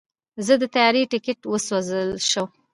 زما د طیارې ټیکټ وسوځل شو.